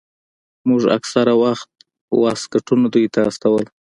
موږ اکثره وخت واسکټونه دوى ته استول.